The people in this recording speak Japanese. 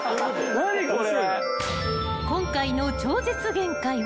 何これ。